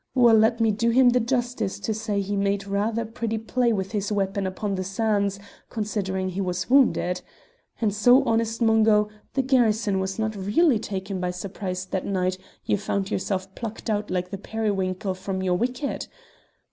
Well, let me do him the justice to say he made rather pretty play with his weapon on the sands, considering he was wounded. And so, honest Mungo, the garrison was not really taken by surprise that night you found yourself plucked out like a periwinkle from your wicket?